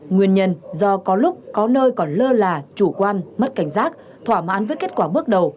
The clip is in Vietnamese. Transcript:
nguyên nhân do có lúc có nơi còn lơ là chủ quan mất cảnh giác thỏa mãn với kết quả bước đầu